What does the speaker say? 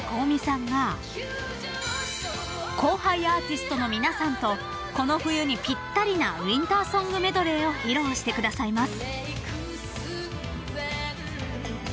［後輩アーティストの皆さんとこの冬にぴったりなウインターソングメドレーを披露してくださいます］